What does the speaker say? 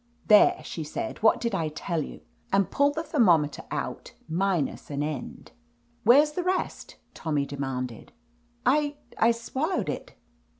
"There!" she said. "What did I tell you?" And pulled the thermometer out minus an end. "Where's the rest?" Tommy demanded. "I— I swallowed it!"